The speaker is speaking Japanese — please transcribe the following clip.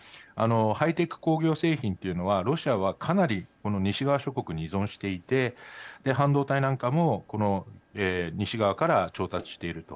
ハイテク工業製品というのはロシアはかなりこの西側諸国に依存していて半導体なんかもこの西側から調達していると。